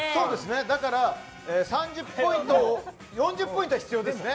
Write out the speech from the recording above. だから３０ポイント４０ポイント必要ですね。